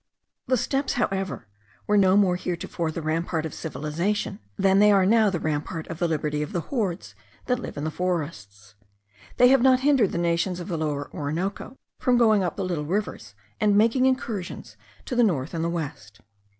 The steppes, however, were no more heretofore the rampart of civilization than they are now the rampart of the liberty of the hordes that live in the forests. They have not hindered the nations of the Lower Orinoco from going up the little rivers and making incursions to the north and the west.